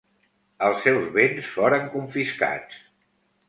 Els seus béns foren confiscats.